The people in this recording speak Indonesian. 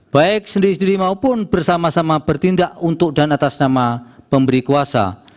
baik sendiri sendiri maupun bersama sama bertindak untuk dan atas nama pemberi kuasa